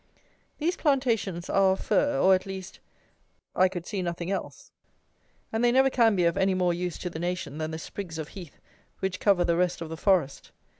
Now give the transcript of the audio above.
These plantations are of fir, or, at least, I could see nothing else, and they never can be of any more use to the nation than the sprigs of heath which cover the rest of the forest.